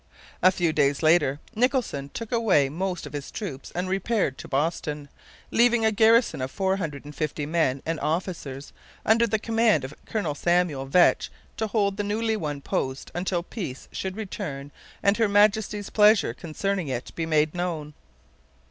A few days later Nicholson took away most of his troops and repaired to Boston, leaving a garrison of four hundred and fifty men and officers under the command of Colonel Samuel Vetch to hold the newly won post until peace should return and Her Majesty's pleasure concerning it be made known.